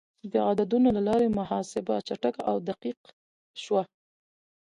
د عددونو له لارې محاسبه چټکه او دقیق شوه.